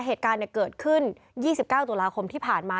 เหตุการณ์เนี่ยเกิดขึ้นยี่สิบเก้าศุลาคมที่ผ่านมา